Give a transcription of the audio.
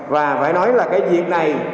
và phải nói là cái việc này